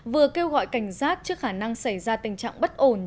vừa kêu gọi cảnh giác trước khả năng xảy ra tình trạng bất ổn